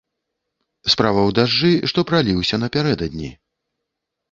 Справа ў дажджы, што праліўся напярэдадні.